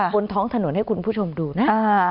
บนท้องถนนให้คุณผู้ชมดูนะ